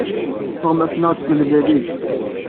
Tuɣmas-nneɣ d timellalin.